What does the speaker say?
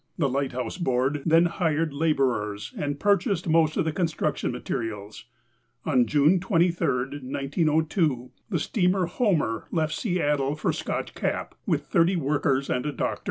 The Lighthouse Board then hired laborers and purchased most of the construction materials. On June 23,1902, the steamer Homer left Seattle for Scotch Cap with 30 workers and a doctor.